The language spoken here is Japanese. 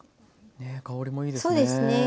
香りもいいですね。